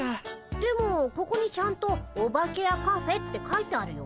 でもここにちゃんと「オバケやカフェ」って書いてあるよ。